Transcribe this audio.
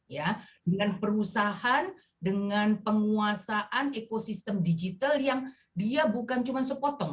ya dengan perusahaan dengan penguasaan ekosistem digital yang dia bukan cuma sepotong